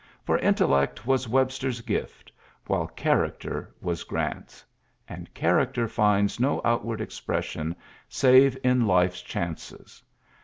For intellect was Webster's gift, while char acter was Grants s; and character finds no ontward expression save in life's chances.